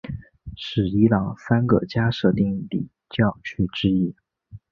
是伊朗三个加色丁礼教区之一。